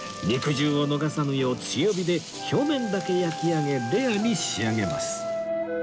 肉汁を逃さぬよう強火で表面だけ焼き上げレアに仕上げます